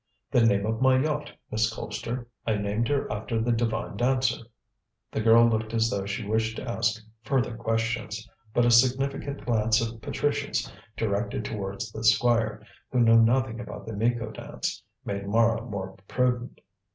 "The name of my yacht, Miss Colpster. I named her after the Divine Dancer." The girl looked as though she wished to ask further questions, but a significant glance of Patricia's directed towards the Squire, who knew nothing about the Miko Dance, made Mara more prudent.